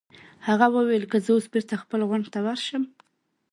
هغه وویل: که زه اوس بېرته خپل غونډ ته ورشم.